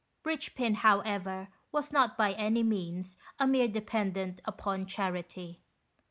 Richpin, however, was not by any means a mere dependent upon charity.